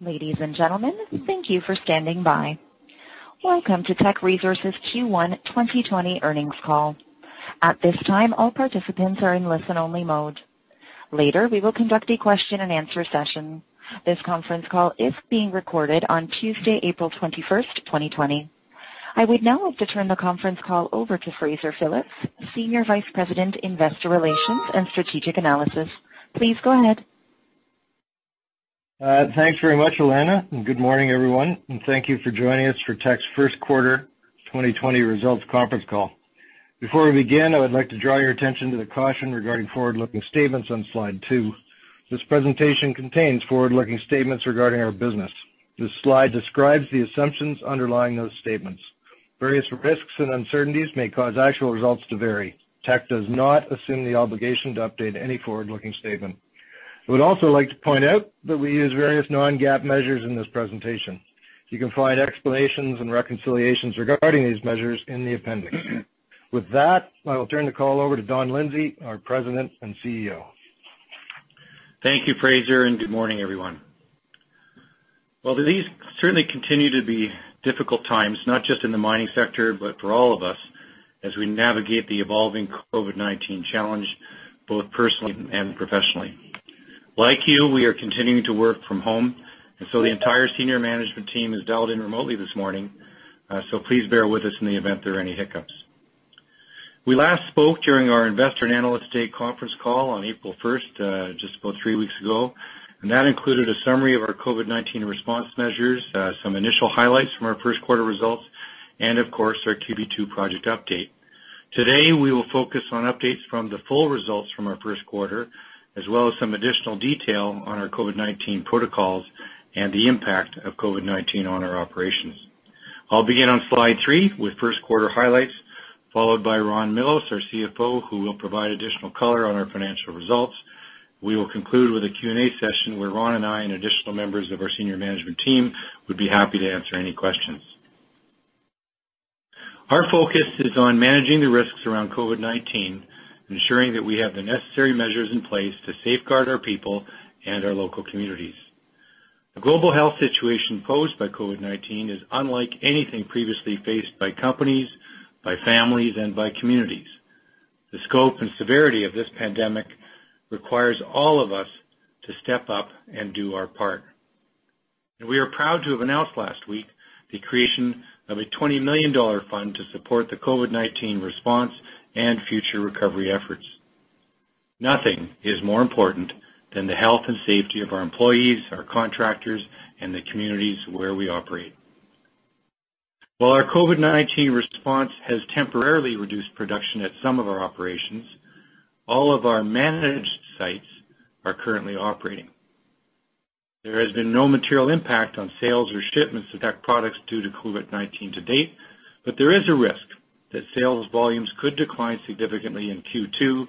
Ladies and gentlemen, thank you for standing by. Welcome to Teck Resources' Q1 2020 earnings call. At this time, all participants are in listen-only mode. Later, we will conduct a question and answer session. This conference call is being recorded on Tuesday, April 21st, 2020. I would now like to turn the conference call over to Fraser Phillips, Senior Vice President, Investor Relations and Strategic Analysis. Please go ahead. Thanks very much, Elena. Good morning, everyone. Thank you for joining us for Teck's first quarter 2020 results conference call. Before we begin, I would like to draw your attention to the caution regarding forward-looking statements on Slide two. This presentation contains forward-looking statements regarding our business. This slide describes the assumptions underlying those statements. Various risks and uncertainties may cause actual results to vary. Teck does not assume the obligation to update any forward-looking statement. I would also like to point out that we use various non-GAAP measures in this presentation. You can find explanations and reconciliations regarding these measures in the appendix. With that, I will turn the call over to Don Lindsay, our President and CEO. Thank you, Fraser. Good morning, everyone. Well, these certainly continue to be difficult times, not just in the mining sector, but for all of us as we navigate the evolving COVID-19 challenge, both personally and professionally. Like you, we are continuing to work from home, and so the entire senior management team is dialed in remotely this morning, so please bear with us in the event there are any hiccups. We last spoke during our Investor and Analyst Day conference call on April 1st, just about three weeks ago, and that included a summary of our COVID-19 response measures, some initial highlights from our first quarter results, and of course, our QB2 project update. Today, we will focus on updates from the full results from our first quarter, as well as some additional detail on our COVID-19 protocols and the impact of COVID-19 on our operations. I'll begin on Slide three with first quarter highlights, followed by Ron Millos, our CFO, who will provide additional color on our financial results. We will conclude with a Q&A session where Ron and I and additional members of our senior management team would be happy to answer any questions. Our focus is on managing the risks around COVID-19 and ensuring that we have the necessary measures in place to safeguard our people and our local communities. The global health situation posed by COVID-19 is unlike anything previously faced by companies, by families, and by communities. The scope and severity of this pandemic requires all of us to step up and do our part. We are proud to have announced last week the creation of a 20 million dollar fund to support the COVID-19 response and future recovery efforts. Nothing is more important than the health and safety of our employees, our contractors, and the communities where we operate. While our COVID-19 response has temporarily reduced production at some of our operations, all of our managed sites are currently operating. There has been no material impact on sales or shipments of Teck products due to COVID-19 to date, but there is a risk that sales volumes could decline significantly in Q2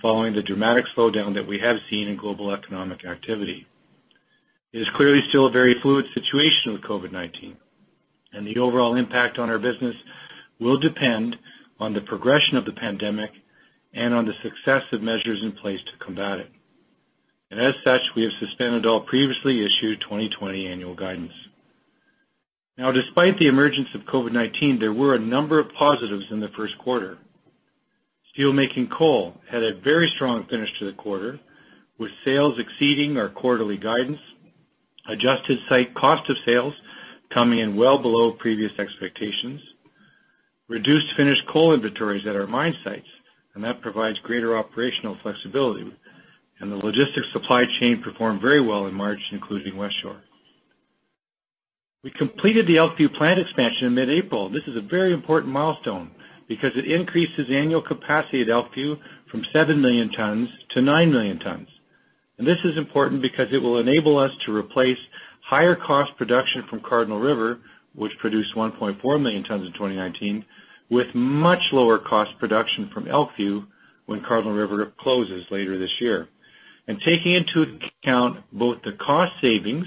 following the dramatic slowdown that we have seen in global economic activity. It is clearly still a very fluid situation with COVID-19, and the overall impact on our business will depend on the progression of the pandemic and on the success of measures in place to combat it. As such, we have suspended all previously issued 2020 annual guidance. Now, despite the emergence of COVID-19, there were a number of positives in the first quarter. Steelmaking coal had a very strong finish to the quarter, with sales exceeding our quarterly guidance, adjusted site cost of sales coming in well below previous expectations, reduced finished coal inventories at our mine sites, and that provides greater operational flexibility. The logistics supply chain performed very well in March, including Westshore. We completed the Elkview plant expansion in mid-April. This is a very important milestone because it increases annual capacity at Elkview from 7 million tons to 9 million tons. This is important because it will enable us to replace higher-cost production from Cardinal River, which produced 1.4 million tons in 2019, with much lower-cost production from Elkview when Cardinal River closes later this year. Taking into account both the cost savings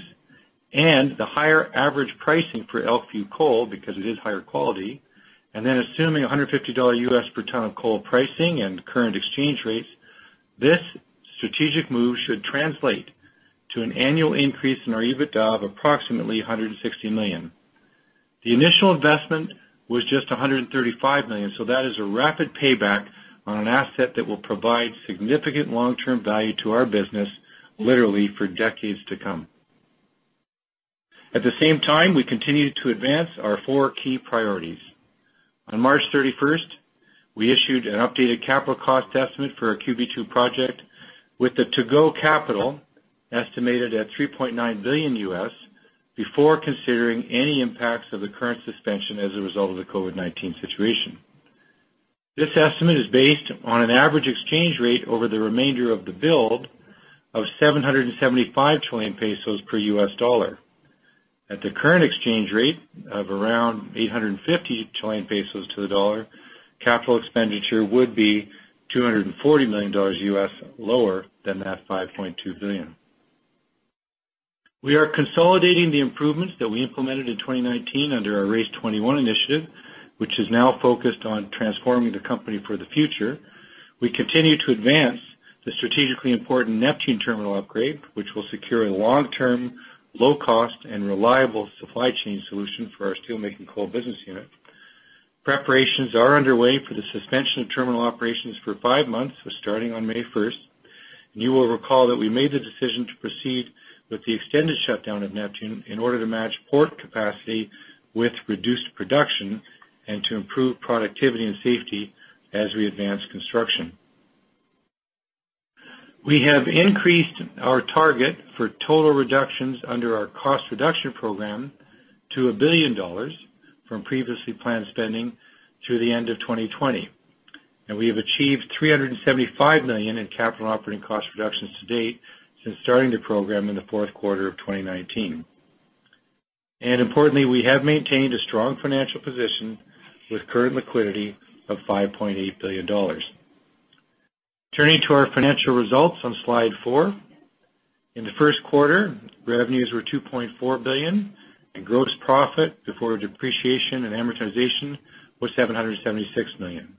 and the higher average pricing for Elkview Coal, because it is higher quality, assuming $150 per ton of coal pricing and current exchange rates, this strategic move should translate to an annual increase in our EBITDA of approximately 160 million. The initial investment was just 135 million, that is a rapid payback on an asset that will provide significant long-term value to our business, literally for decades to come. At the same time, we continued to advance our four key priorities. On March 31st, we issued an updated capital cost estimate for our QB2 project with the to-go capital estimated at $3.9 billion before considering any impacts of the current suspension as a result of the COVID-19 situation. This estimate is based on an average exchange rate over the remainder of the build of 775 per USD. At the current exchange rate of around 850 to the dollar, capital expenditure would be $240 million lower than that $5.2 billion. We are consolidating the improvements that we implemented in 2019 under our RACE21 initiative, which is now focused on transforming the company for the future. We continue to advance the strategically important Neptune Terminal upgrade, which will secure a long-term, low-cost, and reliable supply chain solution for our steelmaking coal business unit. Preparations are underway for the suspension of terminal operations for five months, starting on May 1st. You will recall that we made the decision to proceed with the extended shutdown of Neptune in order to match port capacity with reduced production and to improve productivity and safety as we advance construction. We have increased our target for total reductions under our cost reduction program to 1 billion dollars from previously planned spending through the end of 2020. We have achieved 375 million in capital and operating cost reductions to date since starting the program in the fourth quarter of 2019. Importantly, we have maintained a strong financial position with current liquidity of 5.8 billion dollars. Turning to our financial results on slide four. In the first quarter, revenues were 2.4 billion, and gross profit before depreciation and amortization was 776 million.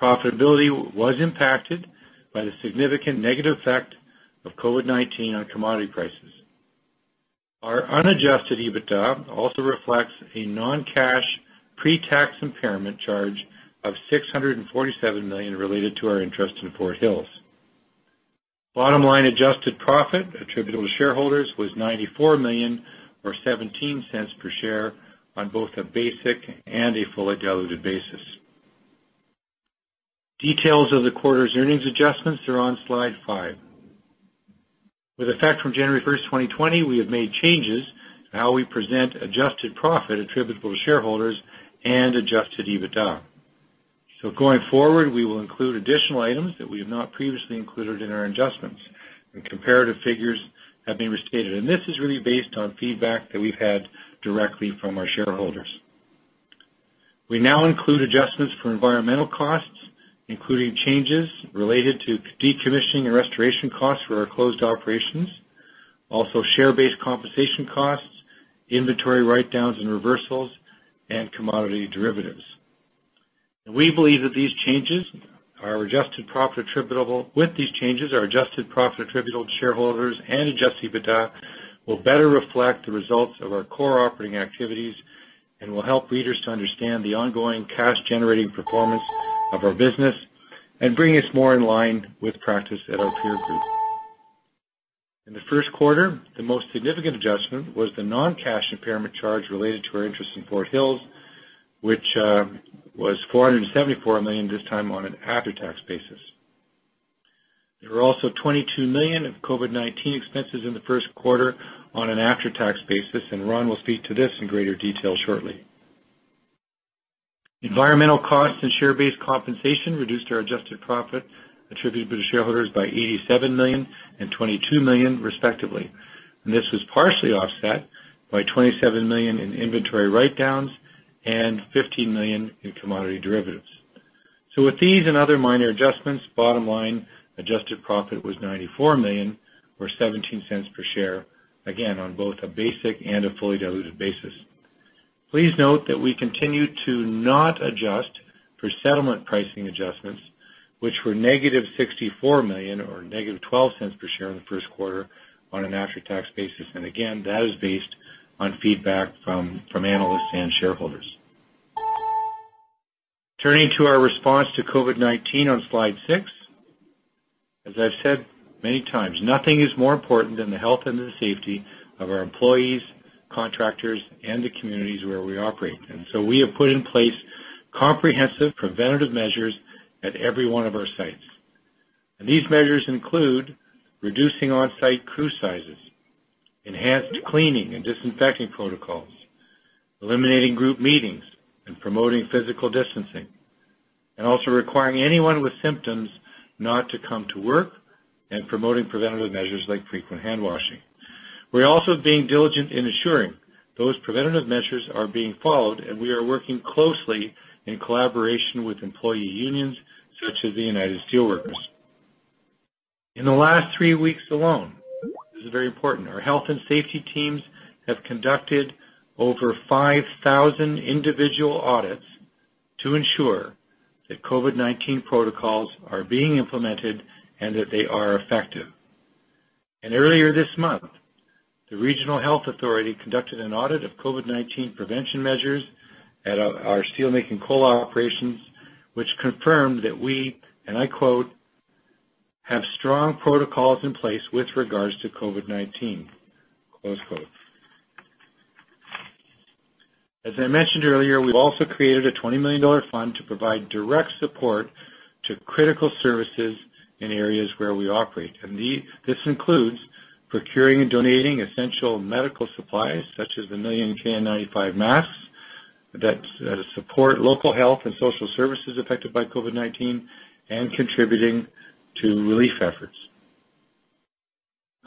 Profitability was impacted by the significant negative effect of COVID-19 on commodity prices. Our unadjusted EBITDA also reflects a non-cash pre-tax impairment charge of 647 million related to our interest in Fort Hills. Bottom line adjusted profit attributable to shareholders was 94 million or 0.17 per share on both a basic and a fully diluted basis. Details of the quarter's earnings adjustments are on slide five. With effect from January 1st, 2020, we have made changes to how we present adjusted profit attributable to shareholders and adjusted EBITDA. Going forward, we will include additional items that we have not previously included in our adjustments, and comparative figures have been restated. This is really based on feedback that we've had directly from our shareholders. We now include adjustments for environmental costs, including changes related to decommissioning and restoration costs for our closed operations. Also, share-based compensation costs, inventory write-downs and reversals, and commodity derivatives. With these changes, our adjusted profit attributable to shareholders and adjusted EBITDA will better reflect the results of our core operating activities and will help readers to understand the ongoing cash-generating performance of our business and bring us more in line with practice at our peer group. In the first quarter, the most significant adjustment was the non-cash impairment charge related to our interest in Fort Hills, which was 474 million this time on an after-tax basis. There were also 22 million of COVID-19 expenses in the first quarter on an after-tax basis. Ron will speak to this in greater detail shortly. Environmental costs and share-based compensation reduced our adjusted profit attributable to shareholders by 87 million and 22 million, respectively. This was partially offset by 27 million in inventory write-downs and 15 million in commodity derivatives. With these and other minor adjustments, bottom line adjusted profit was 94 million or 0.17 per share, again, on both a basic and a fully diluted basis. Please note that we continue to not adjust for settlement pricing adjustments, which were negative 64 million or negative 0.12 per share in the first quarter on an after-tax basis. That is based on feedback from analysts and shareholders. Turning to our response to COVID-19 on slide six. As I've said many times, nothing is more important than the health and the safety of our employees, contractors, and the communities where we operate. We have put in place comprehensive preventative measures at every one of our sites. These measures include reducing on-site crew sizes, enhanced cleaning and disinfecting protocols, eliminating group meetings, promoting physical distancing, also requiring anyone with symptoms not to come to work, and promoting preventative measures like frequent handwashing. We're also being diligent in ensuring those preventative measures are being followed, and we are working closely in collaboration with employee unions, such as the United Steelworkers. In the last three weeks alone, this is very important, our health and safety teams have conducted over 5,000 individual audits to ensure that COVID-19 protocols are being implemented and that they are effective. Earlier this month, the regional health authority conducted an audit of COVID-19 prevention measures at our steelmaking coal operations, which confirmed that we, and I quote, "Have strong protocols in place with regards to COVID-19." As I mentioned earlier, we've also created a 20 million dollar fund to provide direct support to critical services in areas where we operate. This includes procuring and donating essential medical supplies, such as the million KN95 masks, that support local health and social services affected by COVID-19 and contributing to relief efforts.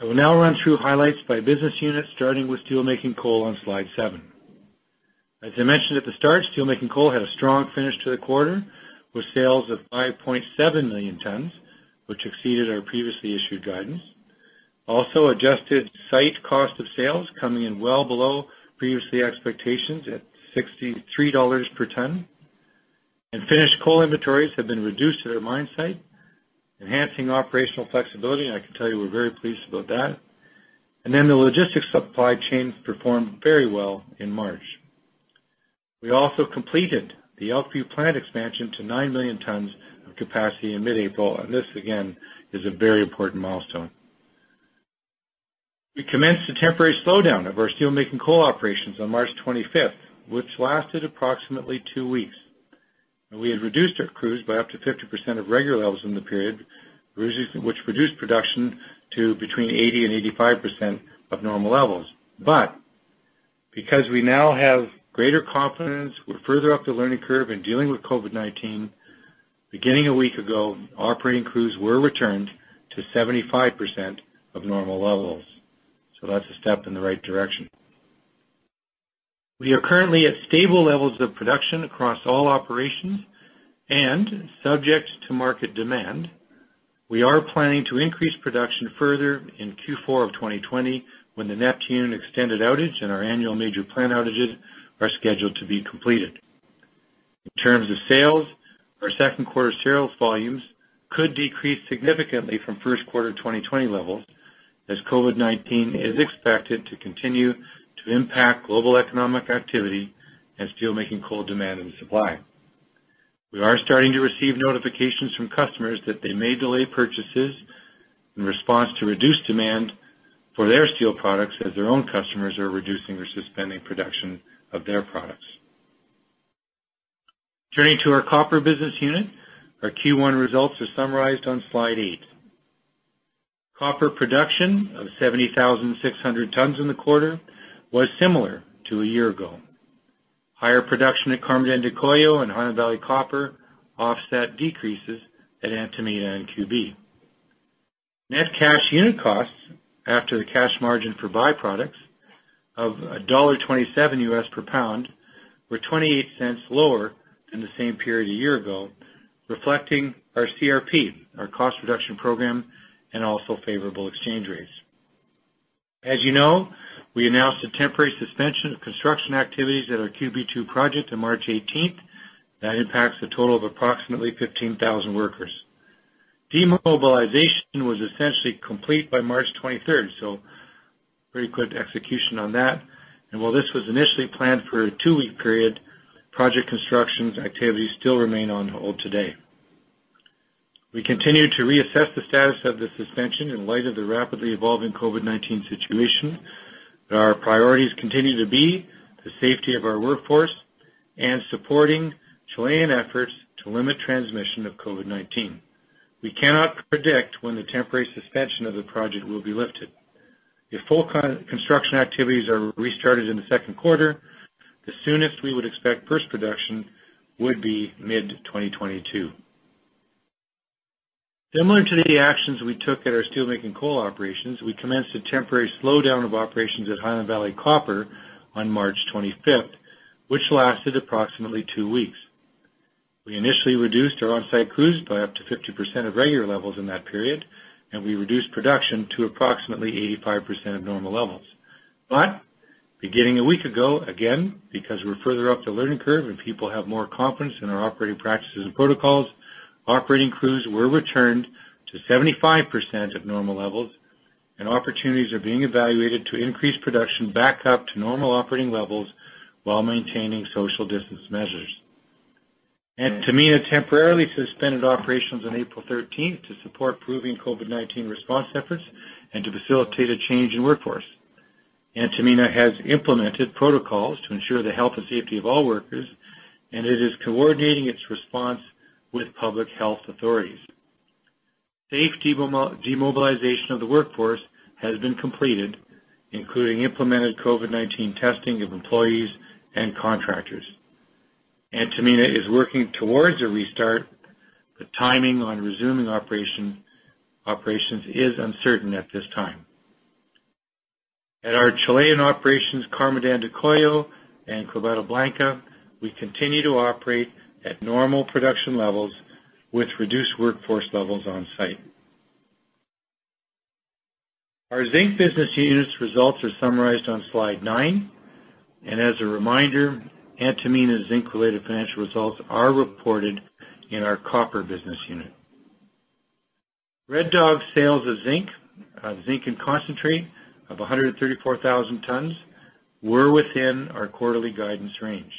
I will now run through highlights by business unit, starting with Steelmaking Coal on slide seven. As I mentioned at the start, Steelmaking Coal had a strong finish to the quarter with sales of 5.7 million tons, which exceeded our previously issued guidance. Also, adjusted site cost of sales coming in well below previous year expectations at 63 dollars per ton. Finished coal inventories have been reduced at our mine site, enhancing operational flexibility, and I can tell you we're very pleased about that. The logistics supply chains performed very well in March. We also completed the Elkview plant expansion to 9 million tons of capacity in mid-April. This, again, is a very important milestone. We commenced a temporary slowdown of our steelmaking coal operations on March 25th, which lasted approximately two weeks. We had reduced our crews by up to 50% of regular levels in the period, which reduced production to between 80% and 85% of normal levels. Because we now have greater confidence, we're further up the learning curve in dealing with COVID-19, beginning a week ago, operating crews were returned to 75% of normal levels. That's a step in the right direction. We are currently at stable levels of production across all operations. Subject to market demand, we are planning to increase production further in Q4 of 2020 when the Neptune extended outage and our annual major plant outages are scheduled to be completed. In terms of sales, our second quarter sales volumes could decrease significantly from first quarter 2020 levels as COVID-19 is expected to continue to impact global economic activity and steelmaking coal demand and supply. We are starting to receive notifications from customers that they may delay purchases in response to reduced demand for their steel products as their own customers are reducing or suspending production of their products. Turning to our copper business unit, our Q1 results are summarized on slide eight. Copper production of 70,600 tonnes in the quarter was similar to a year ago. Higher production at Carmen de Andacollo and Highland Valley Copper offset decreases at Antamina and QB. Net cash unit costs after the cash margin for byproducts of $1.27 per pound were $0.28 lower than the same period a year ago, reflecting our CRP, our cost reduction program, and also favorable exchange rates. As you know, we announced a temporary suspension of construction activities at our QB2 project on March 18th. That impacts a total of approximately 15,000 workers. Demobilization was essentially complete by March 23rd, so pretty quick execution on that. While this was initially planned for a two-week period, project constructions activities still remain on hold today. We continue to reassess the status of the suspension in light of the rapidly evolving COVID-19 situation, but our priorities continue to be the safety of our workforce and supporting Chilean efforts to limit transmission of COVID-19. We cannot predict when the temporary suspension of the project will be lifted. If full construction activities are restarted in the second quarter, the soonest we would expect first production would be mid-2022. Similar to the actions we took at our steelmaking coal operations, we commenced a temporary slowdown of operations at Highland Valley Copper on March 25th, which lasted approximately 2 weeks. We initially reduced our on-site crews by up to 50% of regular levels in that period, and we reduced production to approximately 85% of normal levels. Beginning a week ago, again, because we're further up the learning curve and people have more confidence in our operating practices and protocols, operating crews were returned to 75% of normal levels, and opportunities are being evaluated to increase production back up to normal operating levels while maintaining social distance measures. Antamina temporarily suspended operations on April 13th to support proving COVID-19 response efforts and to facilitate a change in workforce. Antamina has implemented protocols to ensure the health and safety of all workers, and it is coordinating its response with public health authorities. Safe demobilization of the workforce has been completed, including implemented COVID-19 testing of employees and contractors. Antamina is working towards a restart. The timing on resuming operations is uncertain at this time. At our Chilean operations, Carmen de Andacollo and Quebrada Blanca, we continue to operate at normal production levels with reduced workforce levels on site. Our zinc business unit's results are summarized on slide nine, and as a reminder, Antamina's zinc-related financial results are reported in our copper business unit. Red Dog sales of zinc and concentrate of 134,000 tonnes were within our quarterly guidance range.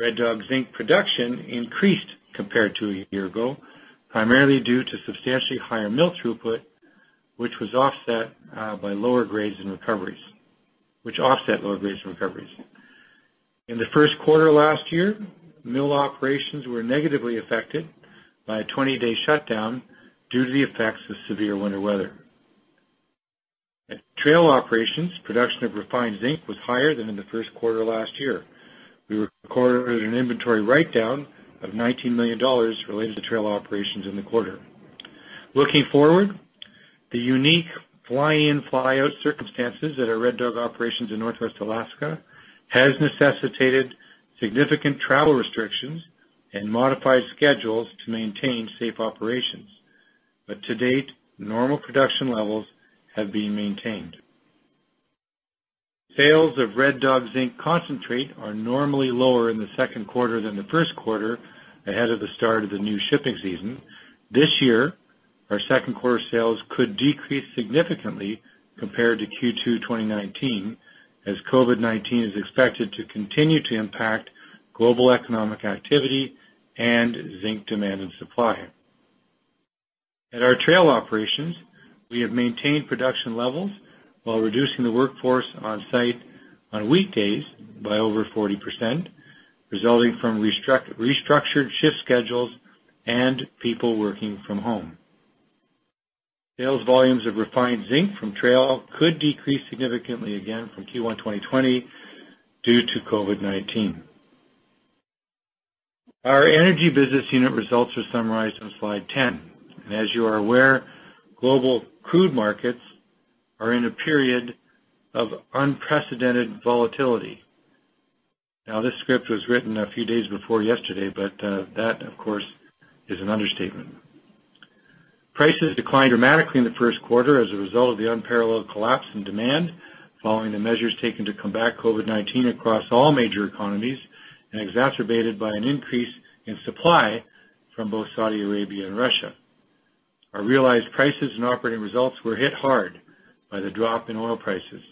Red Dog zinc production increased compared to a year ago, primarily due to substantially higher mill throughput, which offset lower grades and recoveries. In the first quarter last year, mill operations were negatively affected by a 20-day shutdown due to the effects of severe winter weather. At trail operations, production of refined zinc was higher than in the first quarter last year. We recorded an inventory write-down of 19 million dollars related to trail operations in the quarter. Looking forward, the unique fly-in/fly-out circumstances at our Red Dog operations in Northwest Alaska has necessitated significant travel restrictions and modified schedules to maintain safe operations. To date, normal production levels have been maintained. Sales of Red Dog zinc concentrate are normally lower in the second quarter than the first quarter ahead of the start of the new shipping season. This year, our second quarter sales could decrease significantly compared to Q2 2019, as COVID-19 is expected to continue to impact global economic activity and zinc demand and supply. At our Trail operations, we have maintained production levels while reducing the workforce on site on weekdays by over 40%, resulting from restructured shift schedules and people working from home. Sales volumes of refined zinc from Trail could decrease significantly again from Q1 2020 due to COVID-19. Our energy business unit results are summarized on slide 10, and as you are aware, global crude markets are in a period of unprecedented volatility. This script was written a few days before yesterday, but that, of course, is an understatement. Prices declined dramatically in the first quarter as a result of the unparalleled collapse in demand following the measures taken to combat COVID-19 across all major economies, and exacerbated by an increase in supply from both Saudi Arabia and Russia. Our realized prices and operating results were hit hard by the drop in oil prices.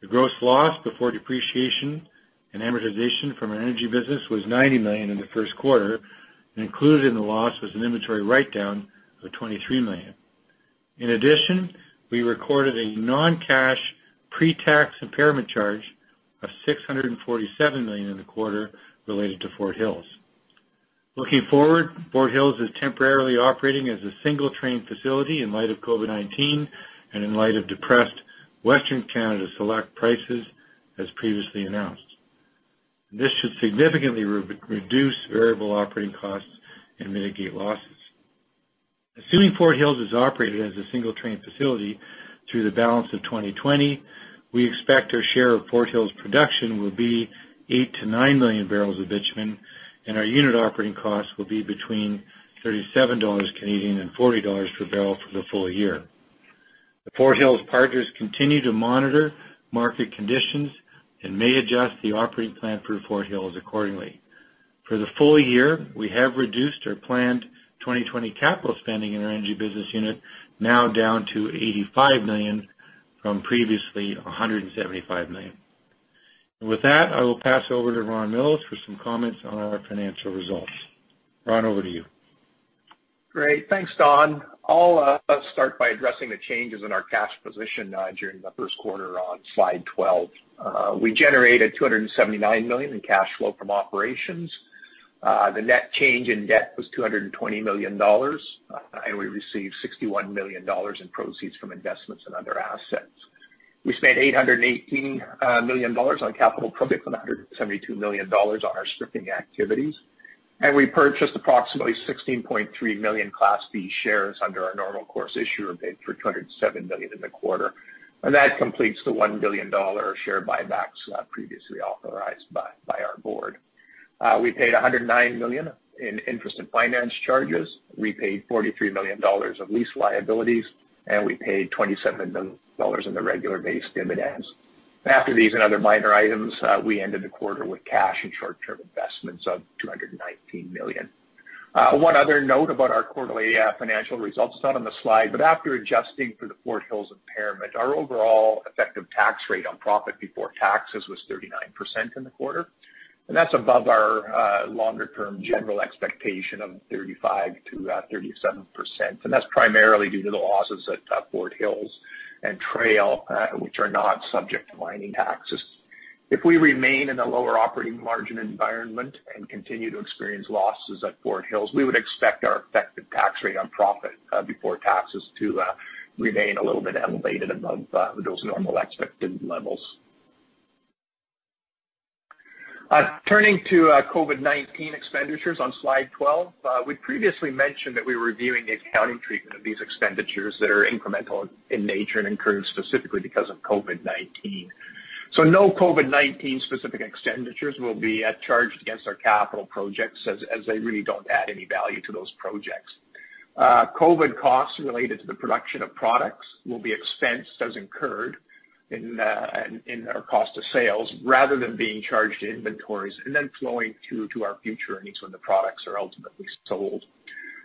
The gross loss before depreciation and amortization from our energy business was 90 million in the first quarter, and included in the loss was an inventory write-down of 23 million. In addition, we recorded a non-cash pre-tax impairment charge of 647 million in the quarter related to Fort Hills. Looking forward, Fort Hills is temporarily operating as a single train facility in light of COVID-19 and in light of depressed Western Canadian Select prices as previously announced. This should significantly reduce variable operating costs and mitigate losses. Assuming Fort Hills is operated as a single train facility through the balance of 2020, we expect our share of Fort Hills production will be 8-9 million barrels of bitumen, and our unit operating costs will be between 37 Canadian dollars and 40 dollars per barrel for the full year. The Fort Hills partners continue to monitor market conditions and may adjust the operating plan for Fort Hills accordingly. For the full year, we have reduced our planned 2020 capital spending in our energy business unit now down to 85 million from previously 175 million. With that, I will pass over to Ron Millos for some comments on our financial results. Ron, over to you. Great. Thanks, Don. I'll start by addressing the changes in our cash position during the first quarter on slide 12. We generated 279 million in cash flow from operations. The net change in debt was 220 million dollars, and we received 61 million dollars in proceeds from investments in other assets. We spent 818 million dollars on capital projects and 172 million dollars on our stripping activities, and we purchased approximately 16.3 million Class B shares under our normal course issuer bid for 207 million in the quarter. That completes the 1 billion dollar share buybacks previously authorized by our board. We paid 109 million in interest and finance charges. We paid 43 million dollars of lease liabilities, and we paid 27 million dollars in the regular base dividends. After these and other minor items, we ended the quarter with cash and short-term investments of 219 million. One other note about our quarterly financial results. It's not on the slide, after adjusting for the Fort Hills impairment, our overall effective tax rate on profit before taxes was 39% in the quarter, and that's above our longer-term general expectation of 35%-37%. That's primarily due to the losses at Fort Hills and Trail, which are not subject to mining taxes. If we remain in a lower operating margin environment and continue to experience losses at Fort Hills, we would expect our effective tax rate on profit before taxes to remain a little bit elevated above those normal expected levels. Turning to COVID-19 expenditures on slide 12. We previously mentioned that we were reviewing the accounting treatment of these expenditures that are incremental in nature and incurred specifically because of COVID-19. No COVID-19 specific expenditures will be charged against our capital projects as they really don't add any value to those projects. COVID costs related to the production of products will be expensed as incurred in our cost of sales rather than being charged to inventories and then flowing through to our future earnings when the products are ultimately sold.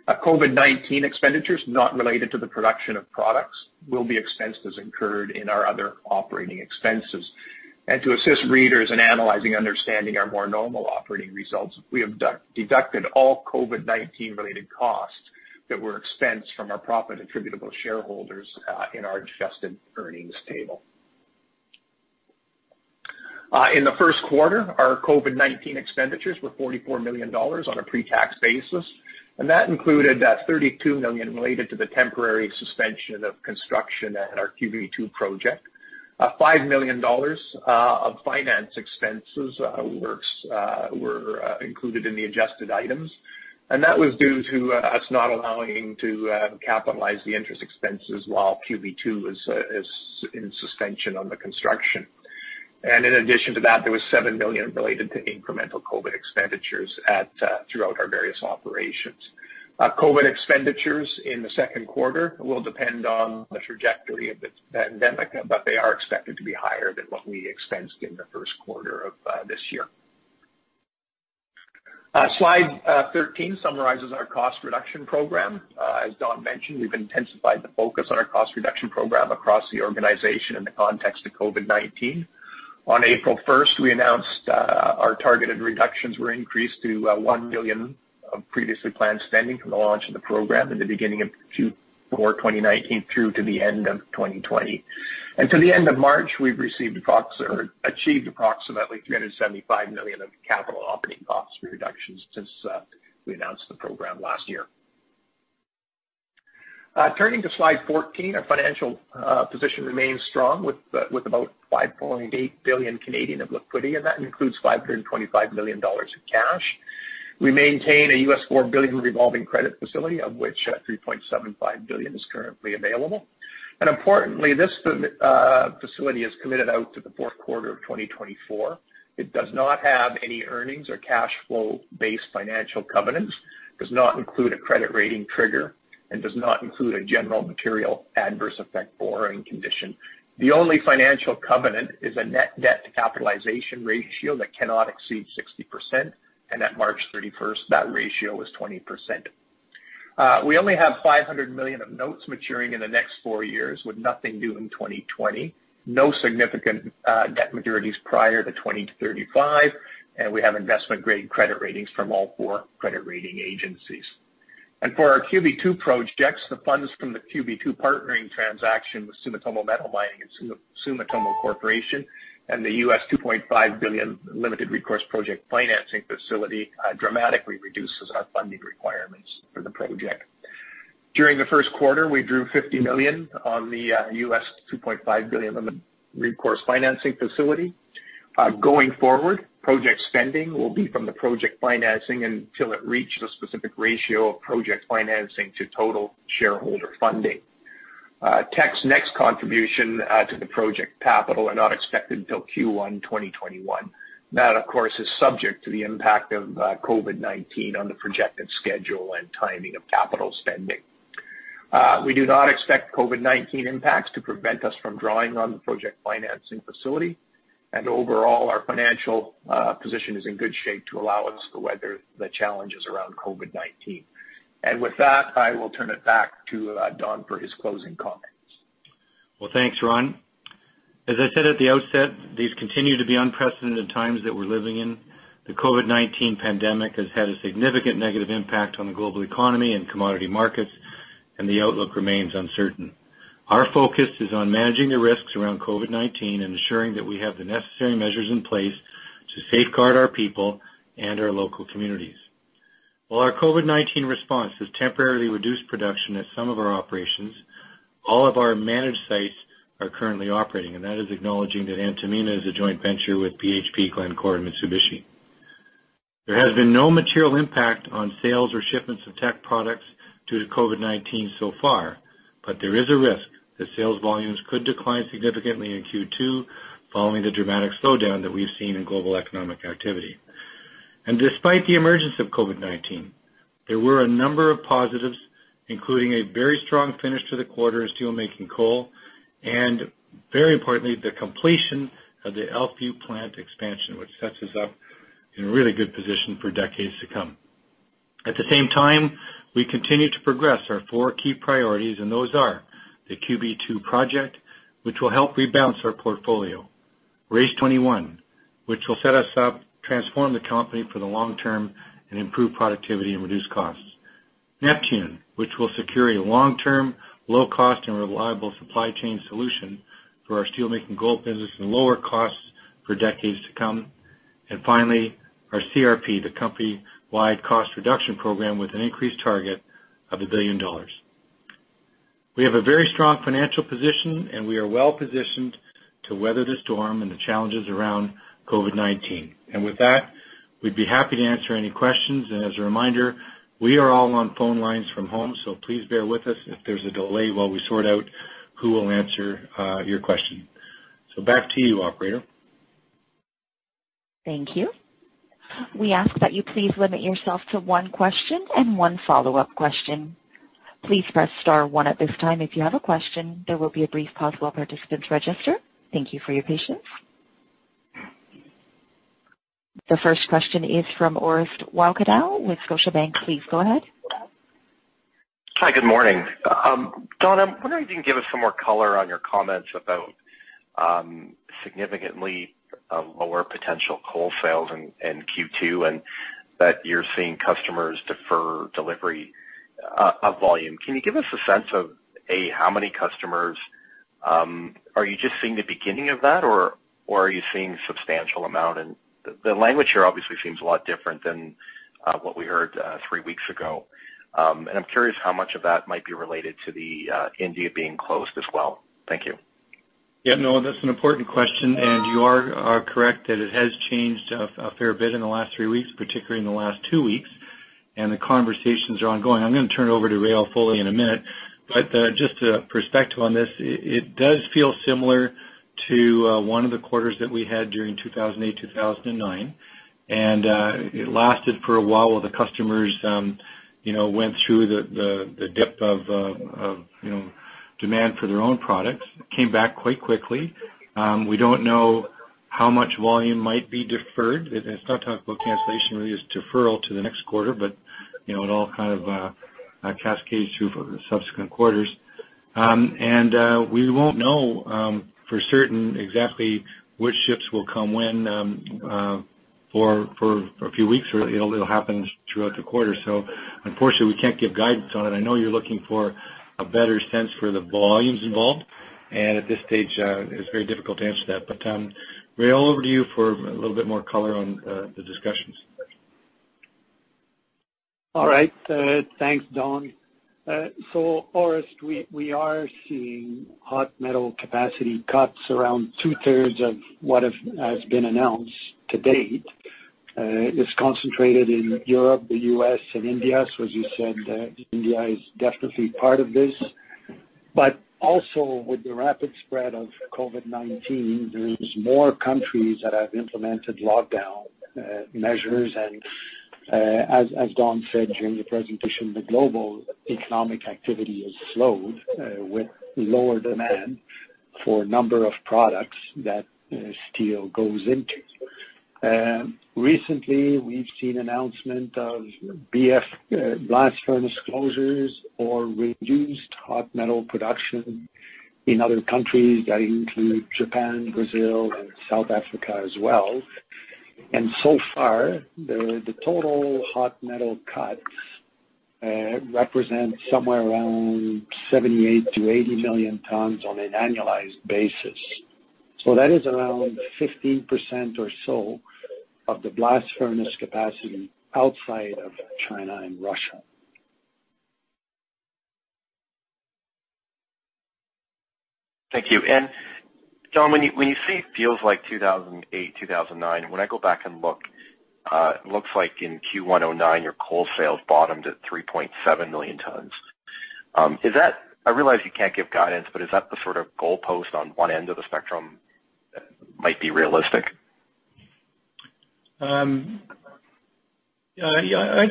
COVID-19 expenditures not related to the production of products will be expensed as incurred in our other operating expenses. To assist readers in analyzing, understanding our more normal operating results, we have deducted all COVID-19 related costs that were expensed from our profit attributable to shareholders in our adjusted earnings table. In the first quarter, our COVID-19 expenditures were 44 million dollars on a pre-tax basis, and that included that 32 million related to the temporary suspension of construction at our QB2 project. 5 million dollars of finance expenses were included in the adjusted items, and that was due to us not allowing to capitalize the interest expenses while QB2 is in suspension on the construction. In addition to that, there was 7 million related to incremental COVID-19 expenditures throughout our various operations. COVID-19 expenditures in the second quarter will depend on the trajectory of the pandemic, but they are expected to be higher than what we expensed in the first quarter of this year. Slide 13 summarizes our cost reduction program. As Don mentioned, we've intensified the focus on our cost reduction program across the organization in the context of COVID-19. On April 1st, we announced our targeted reductions were increased to 1 billion of previously planned spending from the launch of the program at the beginning of Q4 2019 through to the end of 2020. To the end of March, we've achieved approximately 375 million of capital operating cost reductions since we announced the program last year. Turning to slide 14, our financial position remains strong with about 5.8 billion of liquidity, and that includes 525 million dollars in cash. We maintain a $4 billion revolving credit facility, of which 3.75 billion is currently available. Importantly, this facility is committed out to the fourth quarter of 2024. It does not have any earnings or cash flow-based financial covenants, does not include a credit rating trigger, and does not include a general material adverse effect borrowing condition. The only financial covenant is a net debt-to-capitalization ratio that cannot exceed 60%, and at March 31st, that ratio was 20%. We only have 500 million of notes maturing in the next four years, with nothing due in 2020, no significant debt maturities prior to 2035, and we have investment-grade credit ratings from all four credit rating agencies. For our QB2 project, the funds from the QB2 partnering transaction with Sumitomo Metal Mining and Sumitomo Corporation and the $2.5 billion limited recourse project financing facility dramatically reduces our funding requirements for the project. During the first quarter, we drew $50 million on the $2.5 billion limited recourse financing facility. Going forward, project spending will be from the project financing until it reached a specific ratio of project financing to total shareholder funding. Teck's next contribution to the project capital are not expected until Q1 2021. That, of course, is subject to the impact of COVID-19 on the projected schedule and timing of capital spending. We do not expect COVID-19 impacts to prevent us from drawing on the project financing facility. Overall, our financial position is in good shape to allow us to weather the challenges around COVID-19. With that, I will turn it back to Don for his closing comments. Well, thanks, Ron. As I said at the outset, these continue to be unprecedented times that we're living in. The COVID-19 pandemic has had a significant negative impact on the global economy and commodity markets, and the outlook remains uncertain. Our focus is on managing the risks around COVID-19 and ensuring that we have the necessary measures in place to safeguard our people and our local communities. While our COVID-19 response has temporarily reduced production at some of our operations, all of our managed sites are currently operating, and that is acknowledging that Antamina is a joint venture with BHP, Glencore, and Mitsubishi. There has been no material impact on sales or shipments of Teck products due to COVID-19 so far, but there is a risk that sales volumes could decline significantly in Q2 following the dramatic slowdown that we've seen in global economic activity. Despite the emergence of COVID-19, there were a number of positives, including a very strong finish to the quarter in steelmaking coal, and very importantly, the completion of the Elkview plant expansion, which sets us up in a really good position for decades to come. At the same time, we continue to progress our four key priorities, and those are the QB2 project, which will help rebalance our portfolio, RACE21, which will set us up, transform the company for the long term, and improve productivity and reduce costs, Neptune, which will secure a long-term, low cost, and reliable supply chain solution for our steelmaking coal business and lower costs for decades to come, and finally, our CRP, the company-wide cost reduction program with an increased target of 1 billion dollars. We have a very strong financial position, and we are well-positioned to weather the storm and the challenges around COVID-19. With that, we'd be happy to answer any questions. As a reminder, we are all on phone lines from home, so please bear with us if there's a delay while we sort out who will answer your question. Back to you, operator. Thank you. We ask that you please limit yourself to one question and one follow-up question. Please press star one at this time if you have a question. There will be a brief pause while participants register. Thank you for your patience. The first question is from Orest Wowkodaw with Scotiabank. Please go ahead. Hi, good morning. Don, I'm wondering if you can give us some more color on your comments about significantly lower potential coal sales in Q2 and that you're seeing customers defer delivery of volume. Can you give us a sense of, A, how many customers? Are you just seeing the beginning of that, or are you seeing a substantial amount? The language here obviously seems a lot different than what we heard three weeks ago. I'm curious how much of that might be related to India being closed as well. Thank you. Yeah, no, that's an important question, and you are correct that it has changed a fair bit in the last three weeks, particularly in the last two weeks. The conversations are ongoing. I'm going to turn it over to Réal Foley in a minute, just a perspective on this, it does feel similar to one of the quarters that we had during 2008, 2009. It lasted for a while with the customers went through the dip of demand for their own products. Came back quite quickly. We don't know how much volume might be deferred. It's not talking about cancellation, really, it's deferral to the next quarter. It all kind of cascades through for the subsequent quarters. We won't know for certain exactly which ships will come when for a few weeks or it'll happen throughout the quarter. Unfortunately, we can't give guidance on it. I know you're looking for a better sense for the volumes involved, and at this stage, it's very difficult to answer that. Réal, over to you for a little bit more color on the discussions. Thanks, Don. Orest, we are seeing hot metal capacity cuts around two-thirds of what has been announced to date. It is concentrated in Europe, the U.S., and India. As you said, India is definitely part of this. Also with the rapid spread of COVID-19, there's more countries that have implemented lockdown measures and, as Don said during the presentation, the global economic activity has slowed with lower demand for a number of products that steel goes into. Recently, we've seen announcement of BF blast furnace closures or reduced hot metal production in other countries. That includes Japan, Brazil, and South Africa as well. So far, the total hot metal cuts represent somewhere around 78-80 million tons on an annualized basis. That is around 15% or so of the blast furnace capacity outside of China and Russia. Thank you. Don, when you say feels like 2008, 2009, when I go back and look, it looks like in Q1 2009, your coal sales bottomed at 3.7 million tons. I realize you can't give guidance, is that the sort of goalpost on one end of the spectrum that might be realistic? I'd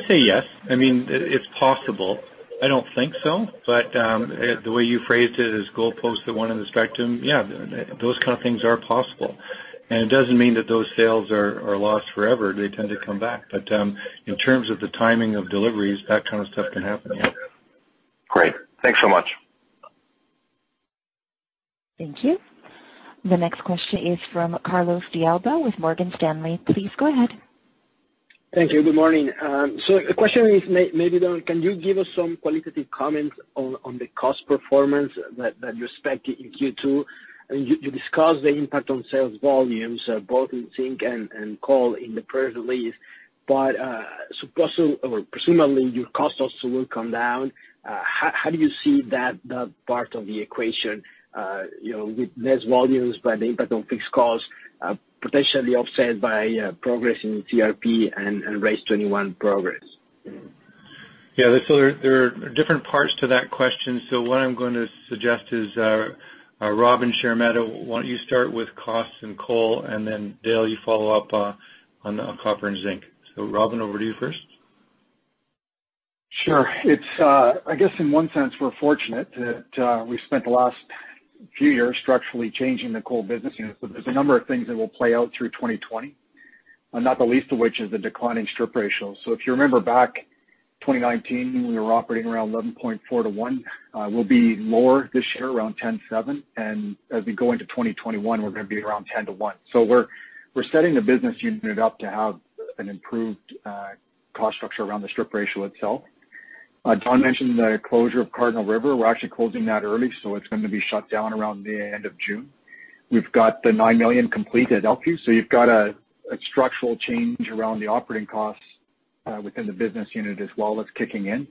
say yes. It's possible. I don't think so, but the way you phrased it, as goalpost at one end of the spectrum, yeah, those kind of things are possible. It doesn't mean that those sales are lost forever. They tend to come back. In terms of the timing of deliveries, that kind of stuff can happen, yeah. Great. Thanks so much. Thank you. The next question is from Carlos de Alba with Morgan Stanley. Please go ahead. Thank you. Good morning. The question is, maybe Don, can you give us some qualitative comments on the cost performance that you expect in Q2? You discussed the impact on sales volumes both in zinc and coal in the press release, presumably your costs also will come down. How do you see that part of the equation with less volumes but the impact on fixed costs potentially offset by progress in CRP and RACE21 progress? There are different parts to that question. What I'm going to suggest is, Robin Sheremeta, why don't you start with costs and coal, and then Dale, you follow up on copper and zinc. Robin, over to you first. Sure. I guess in one sense, we're fortunate that we've spent the last few years structurally changing the coal business unit. There's a number of things that will play out through 2020, not the least of which is the declining strip ratio. If you remember back 2019, we were operating around 11.4:1. We'll be lower this year, around 10:7, and as we go into 2021, we're going to be around 10:1. We're setting the business unit up to have an improved cost structure around the strip ratio itself. Don mentioned the closure of Cardinal River. We're actually closing that early, so it's going to be shut down around the end of June. We've got the 9 million complete at Elkview, so you've got a structural change around the operating costs within the business unit as well that's kicking in.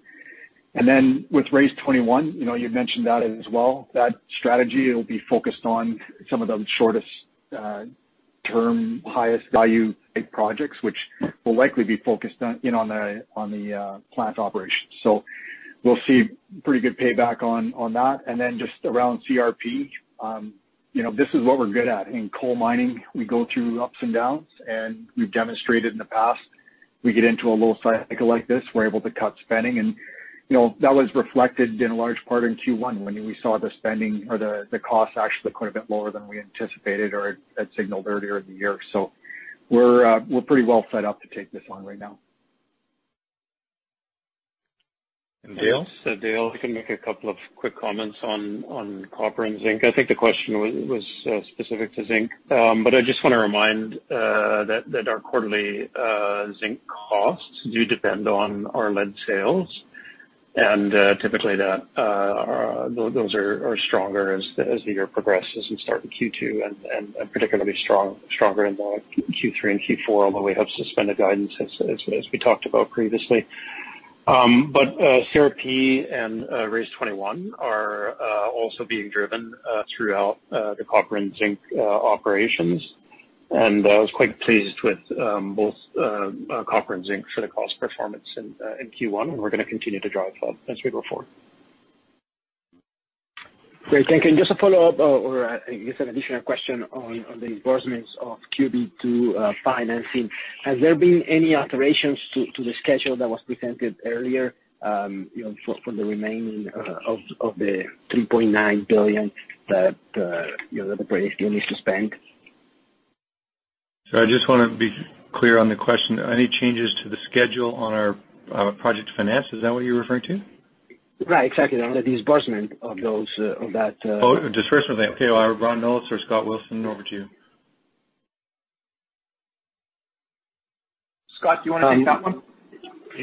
With RACE21, you mentioned that as well. That strategy will be focused on some of the shortest term, highest value projects, which will likely be focused in on the plant operations. We'll see pretty good payback on that. Just around CRP, this is what we're good at. In coal mining, we go through ups and downs, and we've demonstrated in the past, we get into a little cycle like this, we're able to cut spending and that was reflected in large part in Q1 when we saw the spending or the cost actually quite a bit lower than we anticipated or had signaled earlier in the year. We're pretty well set up to take this on right now. Dale? Dale, I can make a couple of quick comments on copper and zinc. I think the question was specific to zinc. I just want to remind that our quarterly zinc costs do depend on our lead sales, and typically those are stronger as the year progresses and start in Q2 and particularly stronger in the Q3 and Q4, although we have suspended guidance as we talked about previously. CRP and RACE21 are also being driven throughout the copper and zinc operations. I was quite pleased with both Red Dog for the cost performance in Q1, and we're going to continue to drive club as we go forward. Great. Thank you. Just a follow-up or I guess an additional question on the disbursements of QB2 financing. Has there been any alterations to the schedule that was presented earlier for the remaining of the $3.9 billion that the team needs to spend? I just want to be clear on the question. Any changes to the schedule on our project finance, is that what you're referring to? Right. Exactly. Disbursement. Okay. Robin Knowles or Scott Wilson, over to you. Scott, do you want to take that one?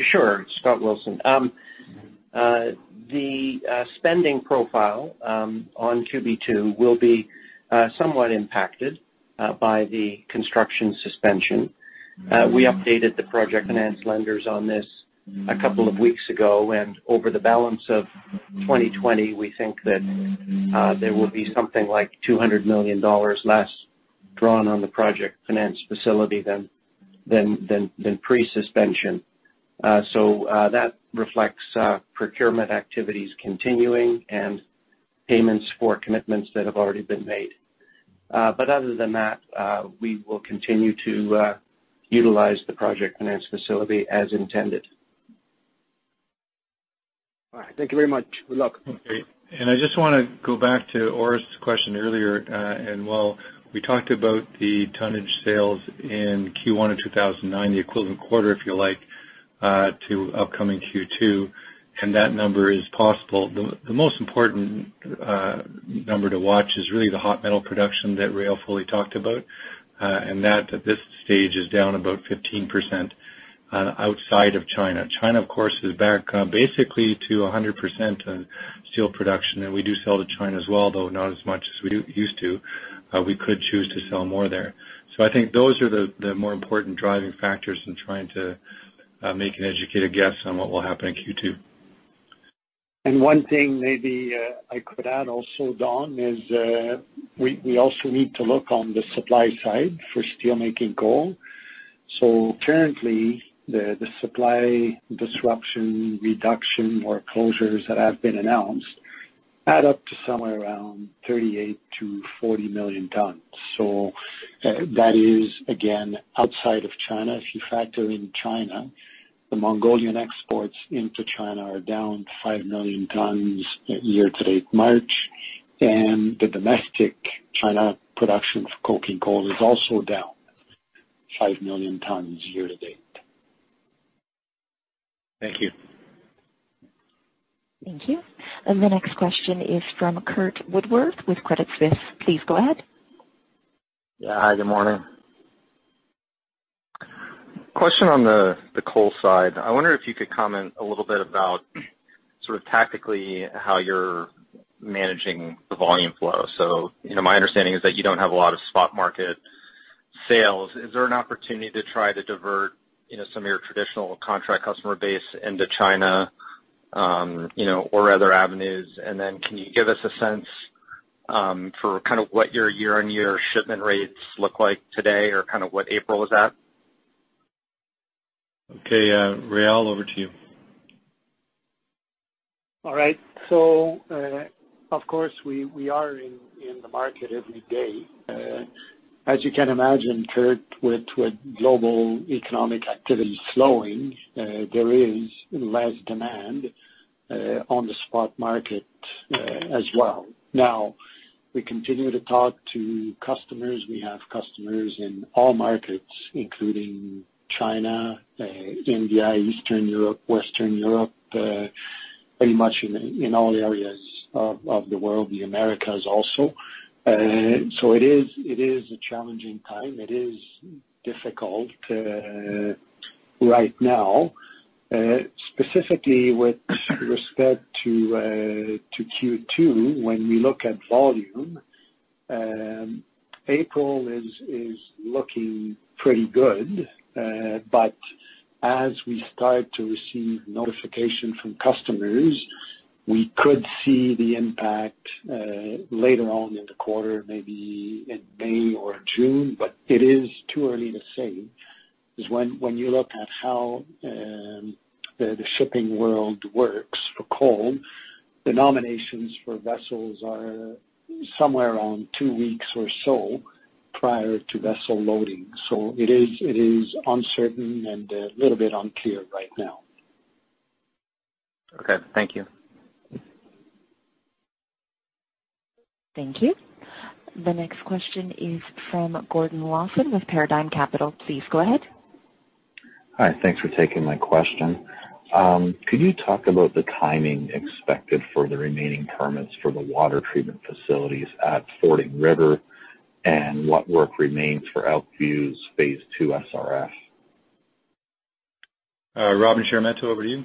Sure. It's Scott Wilson. The spending profile on QB2 will be somewhat impacted by the construction suspension. We updated the project finance lenders on this a couple of weeks ago, and over the balance of 2020, we think that there will be something like 200 million dollars less drawn on the project finance facility than pre-suspension. That reflects procurement activities continuing and payments for commitments that have already been made. Other than that, we will continue to utilize the project finance facility as intended. All right. Thank you very much. Good luck. Okay. I just want to go back to Orest's question earlier. While we talked about the tonnage sales in Q1 of 2009, the equivalent quarter, if you like, to upcoming Q2, that number is possible. The most important number to watch is really the hot metal production that Réal Foley talked about. That at this stage is down about 15% outside of China. China, of course, is back basically to 100% on steel production, and we do sell to China as well, though not as much as we used to. We could choose to sell more there. I think those are the more important driving factors in trying to make an educated guess on what will happen in Q2. One thing maybe I could add also, Don, is we also need to look on the supply side for steel making coal. Currently, the supply disruption, reduction or closures that have been announced add up to somewhere around 38-40 million tons. That is, again, outside of China. If you factor in China, the Mongolian exports into China are down 5 million tons year-to-date March, and the domestic China production for coking coal is also down 5 million tons year-to-date. Thank you. Thank you. The next question is from Curt Woodworth with Credit Suisse. Please go ahead. Yeah. Hi, good morning. Question on the coal side. I wonder if you could comment a little bit about sort of tactically how you're managing the volume flow. My understanding is that you don't have a lot of spot market sales. Is there an opportunity to try to divert some of your traditional contract customer base into China, or other avenues? Can you give us a sense for kind of what your year-on-year shipment rates look like today or kind of what April was at? Okay. Réal, over to you. All right. Of course we are in the market every day. As you can imagine, Curt, with global economic activity slowing, there is less demand on the spot market as well. We continue to talk to customers. We have customers in all markets, including China, India, Eastern Europe, Western Europe, pretty much in all areas of the world, the Americas also. It is a challenging time. It is difficult right now. Specifically with respect to Q2, when we look at volume, April is looking pretty good. As we start to receive notification from customers, we could see the impact later on in the quarter, maybe in May or June, but it is too early to say. Because when you look at how the shipping world works for coal, the nominations for vessels are somewhere around two weeks or so prior to vessel loading. It is uncertain and a little bit unclear right now. Okay. Thank you. Thank you. The next question is from Gordon Lawson with Paradigm Capital. Please go ahead. Hi. Thanks for taking my question. Could you talk about the timing expected for the remaining permits for the water treatment facilities at Fording River and what work remains for Elkview's Phase 2 SRF? Robin Sheremeta, over to you.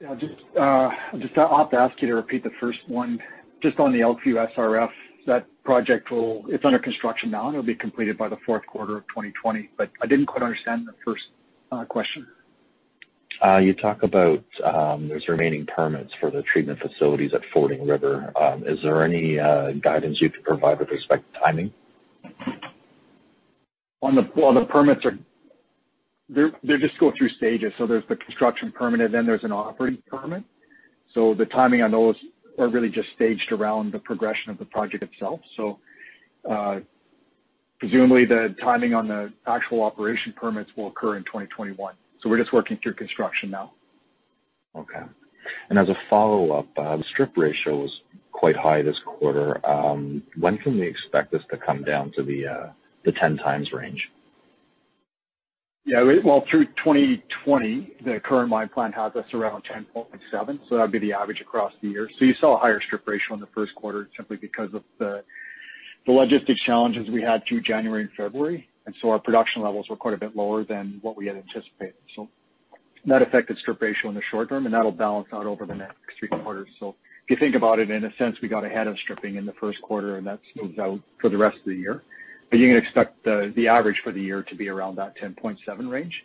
Yeah, I'll have to ask you to repeat the first one. On the Elkview SRF, that project, it's under construction now, it'll be completed by the fourth quarter of 2020. I didn't quite understand the first question. You talk about those remaining permits for the treatment facilities at Fording River. Is there any guidance you can provide with respect to timing? On the permits, they just go through stages. There's the construction permit, and then there's an operating permit. The timing on those are really just staged around the progression of the project itself. Presumably the timing on the actual operation permits will occur in 2021. We're just working through construction now. Okay. As a follow-up, the strip ratio was quite high this quarter. When can we expect this to come down to the 10x range? Well, through 2020, the current mine plan has us around 10.7x, so that'd be the average across the year. You saw a higher strip ratio in the first quarter simply because of the logistic challenges we had through January and February. Our production levels were quite a bit lower than what we had anticipated. That affected strip ratio in the short term, and that'll balance out over the next three quarters. If you think about it, in a sense, we got ahead of stripping in the first quarter and that smooths out for the rest of the year. You can expect the average for the year to be around that 10.7x range.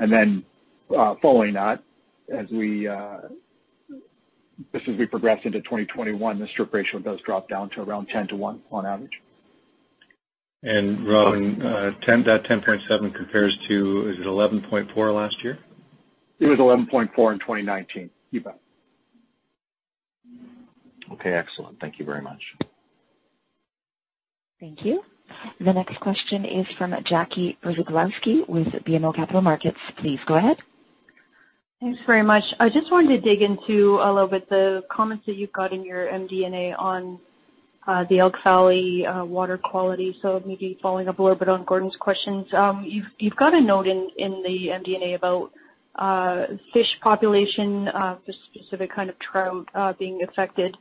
Then, following that, just as we progress into 2021, the strip ratio does drop down to around 10:1 on average. Robin, that 10.7x compares to, is it 11.4x last year? It was 11.4x in 2019. You bet. Okay, excellent. Thank you very much. Thank you. The next question is from Jackie Przybylowski with BMO Capital Markets. Please go ahead. Thanks very much. I just wanted to dig into a little bit the comments that you've got in your MD&A on the Elk Valley water quality. Maybe following up a little bit on Gordon's questions. You've got a note in the MD&A about fish population, the specific kind of trout being affected.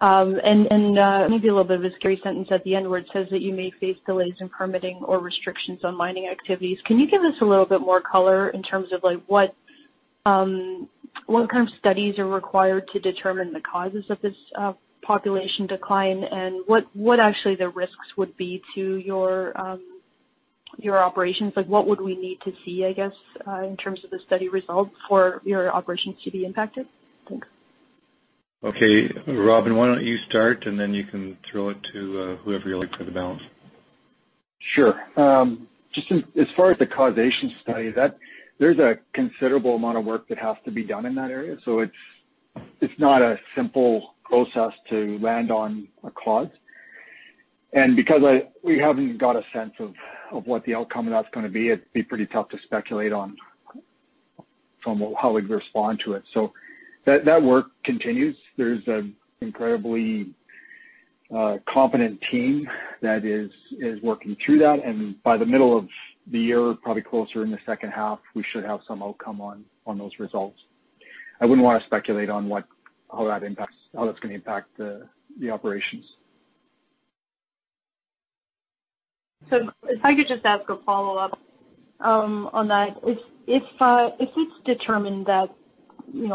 Maybe a little bit of a scary sentence at the end where it says that you may face delays in permitting or restrictions on mining activities. Can you give us a little bit more color in terms of what kind of studies are required to determine the causes of this population decline and what actually the risks would be to your operations? What would we need to see, I guess, in terms of the study results for your operations to be impacted? Thanks. Okay. Robin, why don't you start, and then you can throw it to whoever you like for the balance. Sure. As far as the causation study, there's a considerable amount of work that has to be done in that area. It's not a simple process to land on a cause. Because we haven't got a sense of what the outcome of that's going to be, it'd be pretty tough to speculate on how we'd respond to it. That work continues. There's an incredibly competent team that is working through that. By the middle of the year, probably closer in the second half, we should have some outcome on those results. I wouldn't want to speculate on how that's going to impact the operations. If I could just ask a follow-up on that. If it's determined that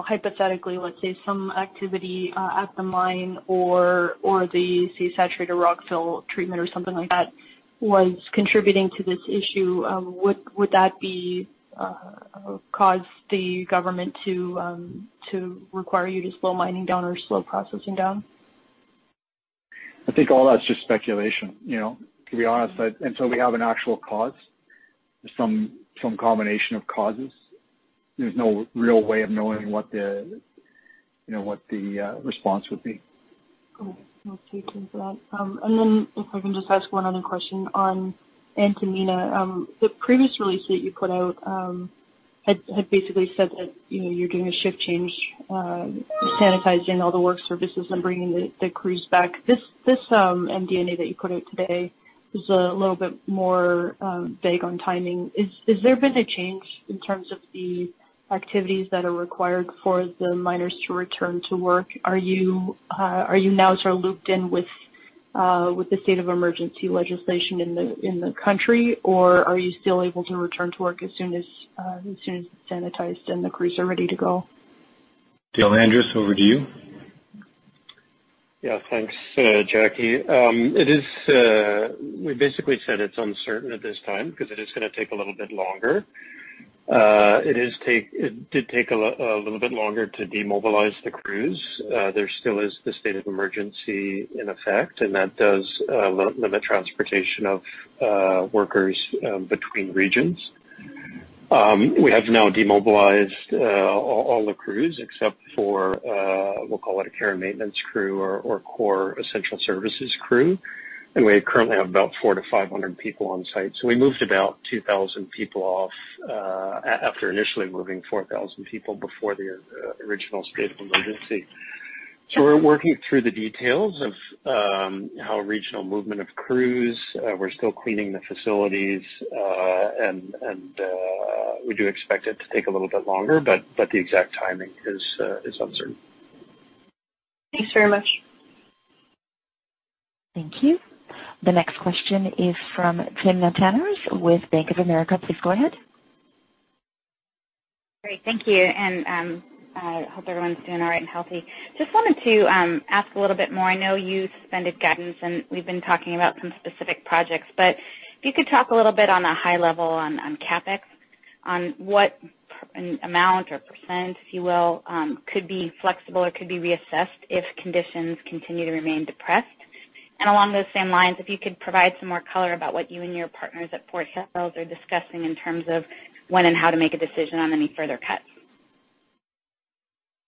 hypothetically, let's say some activity at the mine or the saturated rockfill treatment or something like that was contributing to this issue, would that cause the government to require you to slow mining down or slow processing down? I think all that's just speculation, to be honest. Until we have an actual cause, some combination of causes, there's no real way of knowing what the response would be. Cool. Well, thank you for that. If I can just ask one other question on Antamina. The previous release that you put out had basically said that you're doing a shift change, sanitizing all the work services and bringing the crews back. This MD&A that you put out today is a little bit more vague on timing. Has there been a change in terms of the activities that are required for the miners to return to work? Are you now sort of looped in with the state of emergency legislation in the country, or are you still able to return to work as soon as it's sanitized and the crews are ready to go? Dale Andres, over to you. Thanks, Jackie. We basically said it's uncertain at this time because it is going to take a little bit longer. It did take a little bit longer to demobilize the crews. There still is the state of emergency in effect. That does limit transportation of workers between regions. We have now demobilized all the crews except for, we'll call it a care and maintenance crew or core essential services crew. We currently have about 400-500 people on site. We moved about 2,000 people off after initially moving 4,000 people before the original state of emergency. We're working through the details of regional movement of crews. We're still cleaning the facilities. We do expect it to take a little bit longer. The exact timing is uncertain. Thanks very much. Thank you. The next question is from Timna Tanners with Bank of America. Please go ahead. Great. Thank you. I hope everyone's doing all right and healthy. Just wanted to ask a little bit more. I know you suspended guidance, and we've been talking about some specific projects, but if you could talk a little bit on a high level on CapEx, on what amount or percent, if you will, could be flexible or could be reassessed if conditions continue to remain depressed. Along those same lines, if you could provide some more color about what you and your partners at Fort Hills are discussing in terms of when and how to make a decision on any further cuts.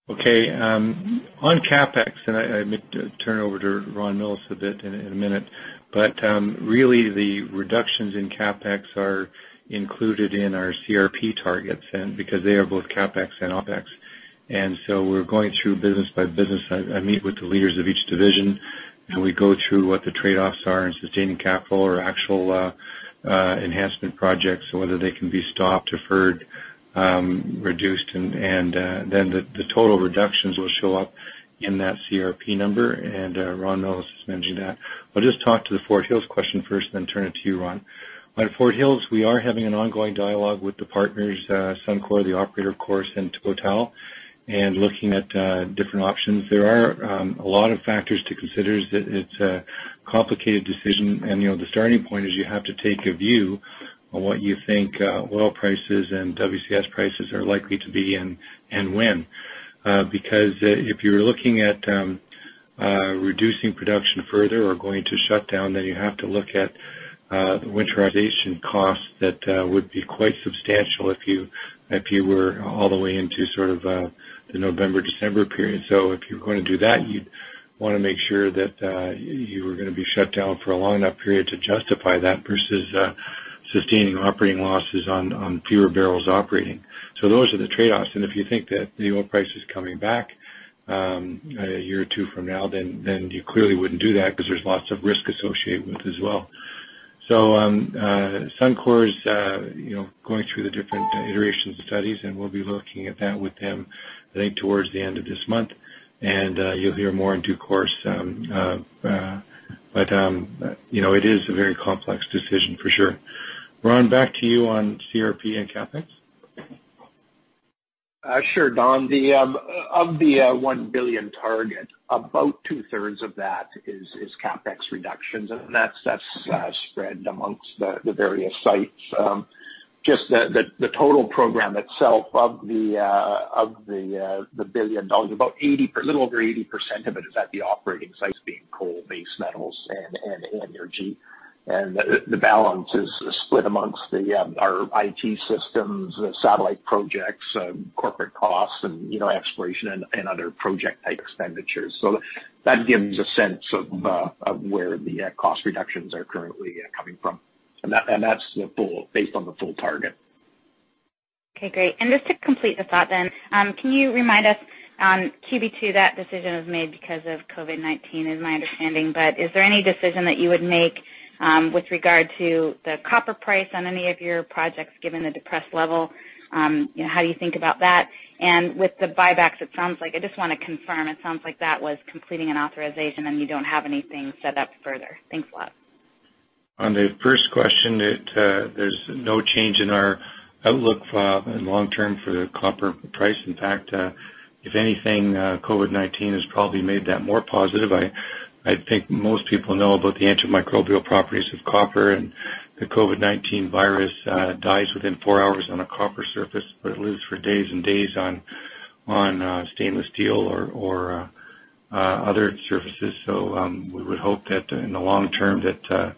Okay. On CapEx, and I may turn over to Ron Millos a bit in a minute, but really the reductions in CapEx are included in our CRP targets, and because they are both CapEx and OpEx. We're going through business by business. I meet with the leaders of each division, and we go through what the trade-offs are in sustaining capital or actual enhancement projects, whether they can be stopped, deferred, reduced, and then the total reductions will show up in that CRP number. Ron Millos was mentioning that. I'll just talk to the Fort Hills question first, then turn it to you, Ron. On Fort Hills, we are having an ongoing dialogue with the partners, Suncor, the operator, of course, and Total, and looking at different options. There are a lot of factors to consider, it's a complicated decision. The starting point is you have to take a view on what you think oil prices and WCS prices are likely to be and when. If you're looking at reducing production further or going to shut down, then you have to look at winterization costs that would be quite substantial if you were all the way into the November, December period. If you're going to do that, you'd want to make sure that you were going to be shut down for a long enough period to justify that versus sustaining operating losses on fewer barrels operating. Those are the trade-offs, and if you think that the oil price is coming back a year or two from now, then you clearly wouldn't do that because there's lots of risk associated with as well. Suncor is going through the different iteration studies, and we'll be looking at that with him, I think, towards the end of this month. You'll hear more in due course. It is a very complex decision for sure. Ron, back to you on CRP and CapEx. Sure. Don, of the 1 billion target, about two-thirds of that is CapEx reductions, That's spread amongst the various sites. Just the total program itself of the 1 billion dollars, a little over 80% of it is at the operating sites, being coal, base metals, and energy. The balance is split amongst our IT systems, satellite projects, corporate costs, and exploration and other project-type expenditures. That gives a sense of where the cost reductions are currently coming from. That's based on the full target. Okay, great. Just to complete the thought, can you remind us on QB2, that decision was made because of COVID-19, is my understanding, but is there any decision that you would make with regard to the copper price on any of your projects, given the depressed level? How do you think about that? With the buybacks, I just want to confirm, it sounds like that was completing an authorization, and you don't have anything set up further. Thanks a lot. On the first question, there's no change in our outlook for the long term for the copper price. In fact, if anything, COVID-19 has probably made that more positive. I think most people know about the antimicrobial properties of copper, the COVID-19 virus dies within four hours on a copper surface, lives for days and days on stainless steel or other surfaces. We would hope that in the long term, that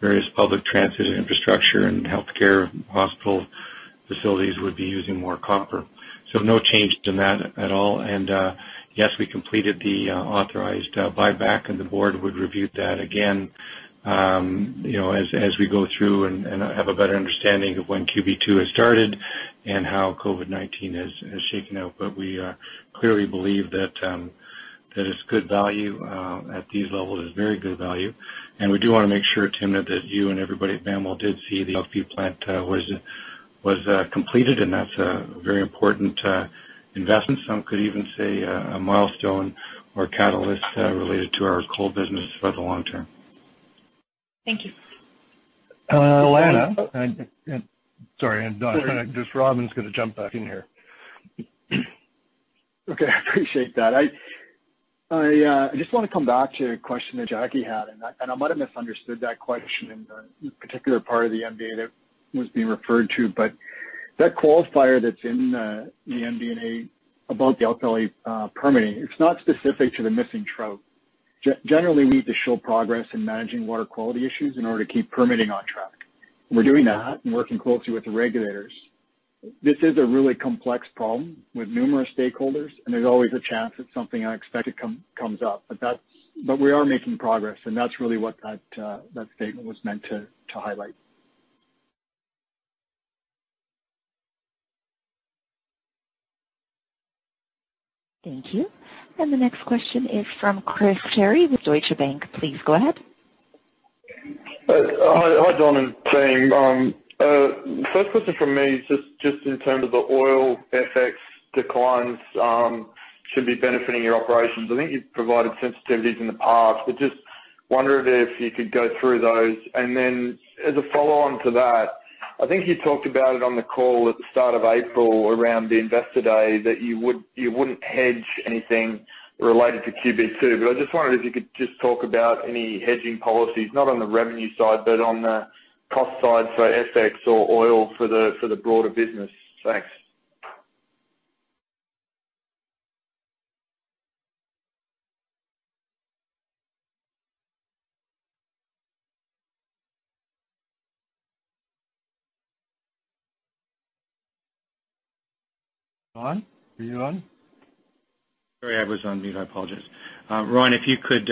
various public transit infrastructure and healthcare hospital facilities would be using more copper. No change to that at all. Yes, we completed the authorized buyback, the board would review that again as we go through and have a better understanding of when QB2 has started and how COVID-19 has shaken out. We clearly believe that it's good value at these levels. It's very good value. We do want to make sure, Timna, that you and everybody at BofA Securities did see the ELP plant was completed. That's a very important investment. Some could even say a milestone or catalyst related to our coal business for the long term. Thank you. Elena, sorry. Just Robin's going to jump back in here. Okay. I appreciate that. I just want to come back to a question that Jackie had, and I might have misunderstood that question in the particular part of the MD&A that was being referred to. That qualifier that's in the MD&A about the alkali permitting, it's not specific to the missing trout. Generally, we need to show progress in managing water quality issues in order to keep permitting on track. We're doing that and working closely with the regulators. This is a really complex problem with numerous stakeholders, and there's always a chance that something unexpected comes up. We are making progress, and that's really what that statement was meant to highlight. Thank you. The next question is from Christopher Terry with Deutsche Bank. Please go ahead. Hi, Don and team. First question from me is just in terms of the oil FX declines should be benefiting your operations. I think you've provided sensitivities in the past, but wondered if you could go through those. Then as a follow-on to that, I think you talked about it on the call at the start of April, around the investor day, that you wouldn't hedge anything related to QB2. I just wondered if you could just talk about any hedging policies, not on the revenue side, but on the cost side, so FX or oil for the broader business. Thanks. Don, are you on? Sorry, I was on mute. I apologize. Ron, if you could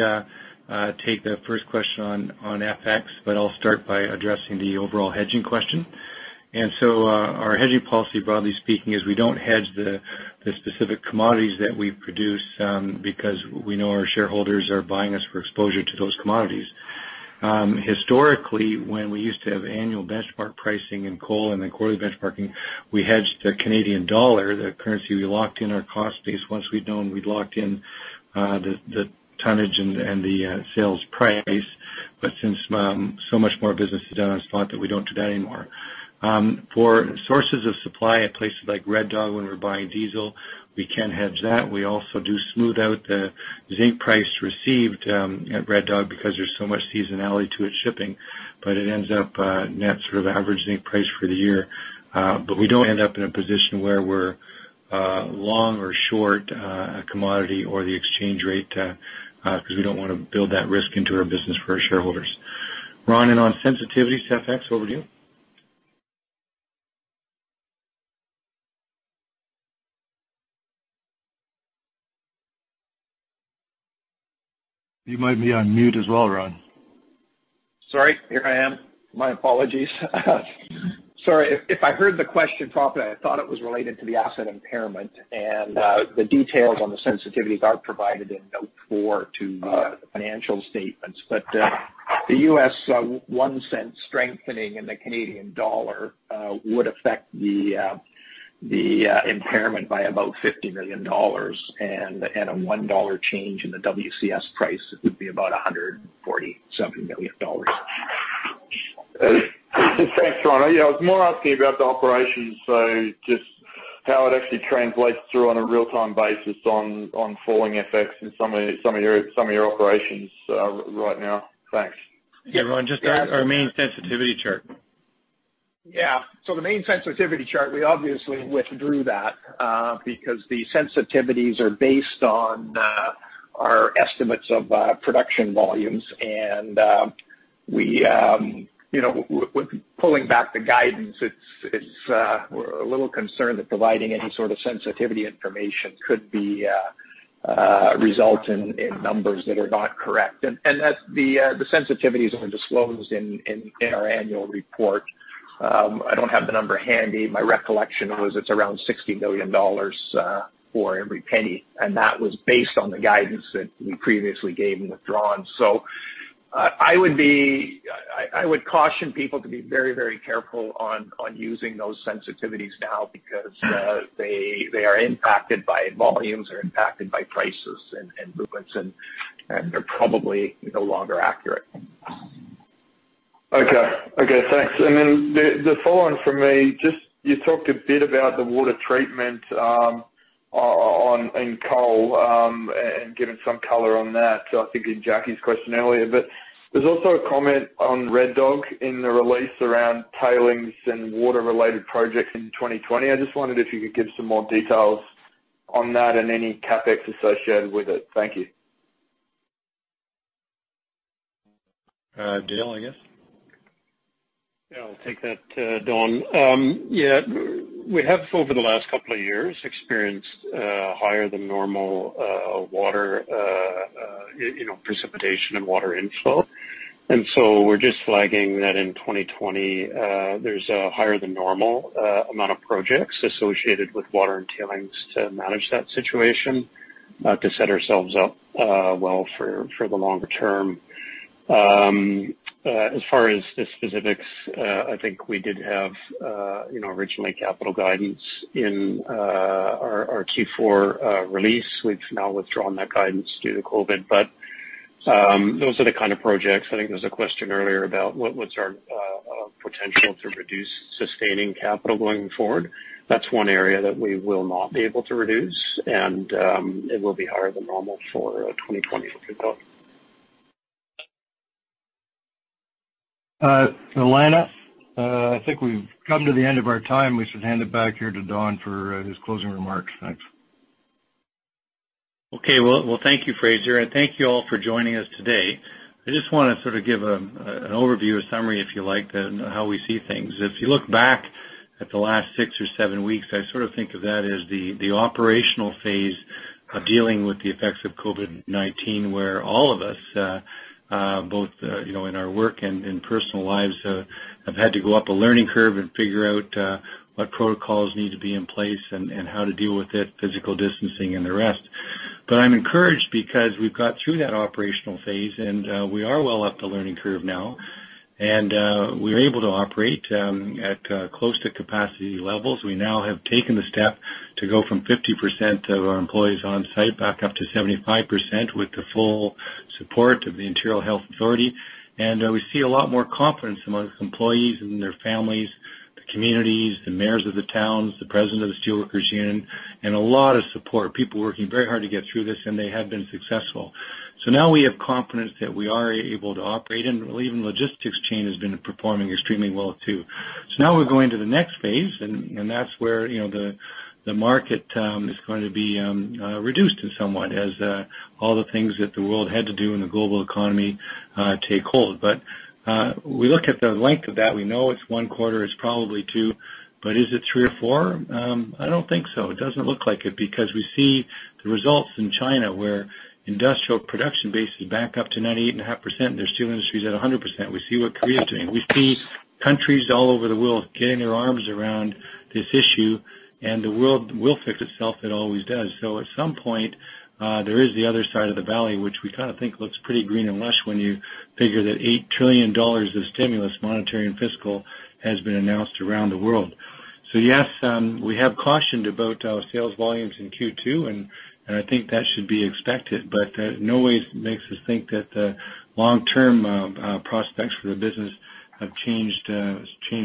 take the first question on FX, I'll start by addressing the overall hedging question. Our hedging policy, broadly speaking, is we don't hedge the specific commodities that we produce, because we know our shareholders are buying us for exposure to those commodities. Historically, when we used to have annual benchmark pricing in coal and then quarterly benchmarking, we hedged the Canadian dollar, the currency we locked in our cost base once we'd known we'd locked in the tonnage and the sales price. Since so much more business is done on spot that we don't do that anymore. For sources of supply at places like Red Dog, when we're buying diesel, we can hedge that. We also do smooth out the zinc price received at Red Dog because there's so much seasonality to its shipping. It ends up net sort of average zinc price for the year. We don't end up in a position where we're long or short a commodity or the exchange rate, because we don't want to build that risk into our business for our shareholders. Ron, on sensitivity to FX, over to you. You might be on mute as well, Ron. Sorry. Here I am. My apologies. Sorry. If I heard the question properly, I thought it was related to the asset impairment and the details on the sensitivities are provided in Note four to the financial statements. The $0.01 strengthening in the Canadian dollar would affect the impairment by about 50 million dollars, and a 1 dollar change in the WCS price would be about 147 million dollars. Thanks, Ron. I was more asking about the operations, so just how it actually translates through on a real-time basis on falling FX in some of your operations right now. Thanks. Yeah, Ron, just our main sensitivity chart. The main sensitivity chart, we obviously withdrew that because the sensitivities are based on our estimates of production volumes and with pulling back the guidance, we're a little concerned that providing any sort of sensitivity information could result in numbers that are not correct. The sensitivities are disclosed in our annual report. I don't have the number handy. My recollection was it's around 60 million dollars for every CAD 0.01, that was based on the guidance that we previously gave and withdrawn. I would caution people to be very careful on using those sensitivities now because they are impacted by volumes, are impacted by prices and movements, and they're probably no longer accurate. Okay. Thanks. The follow-on from me, you talked a bit about the water treatment in coal, and given some color on that, I think in Jackie's question earlier. There's also a comment on Red Dog in the release around tailings and water-related projects in 2020. I just wondered if you could give some more details on that and any CapEx associated with it. Thank you. Dale, I guess. Yeah, I'll take that, Don. Yeah, we have over the last couple of years experienced higher than normal precipitation and water inflow. We're just flagging that in 2020, there's a higher than normal amount of projects associated with water and tailings to manage that situation to set ourselves up well for the longer term. As far as the specifics, I think we did have originally capital guidance in our Q4 release. We've now withdrawn that guidance due to COVID. Those are the kind of projects, I think there was a question earlier about what's our potential to reduce sustaining capital going forward. That's one area that we will not be able to reduce, and it will be higher than normal for 2020 for Red Dog. Elena, I think we've come to the end of our time. We should hand it back here to Don for his closing remarks. Thanks. Well, thank you, Fraser, and thank you all for joining us today. I just want to sort of give an overview or summary, if you like, on how we see things. If you look back at the last six or seven weeks, I sort of think of that as the operational phase of dealing with the effects of COVID-19, where all of us, both in our work and in personal lives, have had to go up a learning curve and figure out what protocols need to be in place and how to deal with it, physical distancing, and the rest. I'm encouraged because we've got through that operational phase, and we are well up the learning curve now. We're able to operate at close to capacity levels. We now have taken the step to go from 50% of our employees on-site back up to 75% with the full support of the Interior Health Authority. We see a lot more confidence amongst employees and their families, the communities, the mayors of the towns, the president of the United Steelworkers, and a lot of support. People working very hard to get through this, and they have been successful. Now we have confidence that we are able to operate, and even logistics chain has been performing extremely well too. Now we're going to the next phase, and that's where the market is going to be reduced somewhat as all the things that the world had to do in the global economy take hold. We look at the length of that. We know it's one quarter, it's probably two, but is it three or four? I don't think so. It doesn't look like it because we see the results in China, where industrial production base is back up to 98.5%. Their steel industry is at 100%. We see what Korea's doing. We see countries all over the world getting their arms around this issue. The world will fix itself. It always does. At some point, there is the other side of the valley, which we kind of think looks pretty green and lush when you figure that 8 trillion dollars of stimulus, monetary and fiscal, has been announced around the world. Yes, we have caution about our sales volumes in Q2, and I think that should be expected, but in no way makes us think that the long-term prospects for the business have changed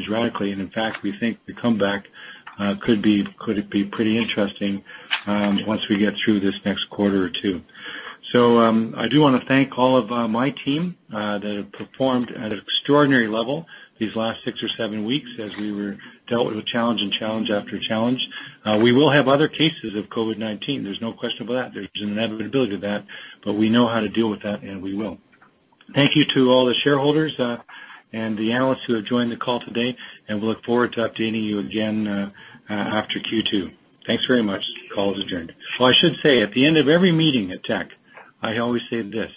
radically. In fact, we think the comeback could be pretty interesting once we get through this next quarter or two. I do want to thank all of my team that have performed at an extraordinary level these last six or seven weeks as we were dealt with challenge, and challenge, after challenge. We will have other cases of COVID-19. There's no question about that. There's an inevitability to that. We know how to deal with that, and we will. Thank you to all the shareholders and the analysts who have joined the call today, and we look forward to updating you again after Q2. Thanks very much. Call is adjourned. Oh, I should say, at the end of every meeting at Teck, I always say this: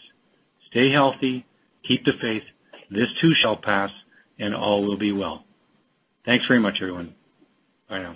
Stay healthy, keep the faith, this too shall pass, and all will be well. Thanks very much, everyone. Bye now.